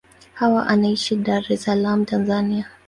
Hawa anaishi Dar es Salaam, Tanzania.